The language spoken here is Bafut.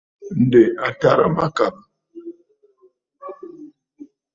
Ǹdè à tàrə mâkàbə̀.